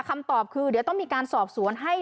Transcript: คำตอบคือเดี๋ยวต้องมีการสอบสวนให้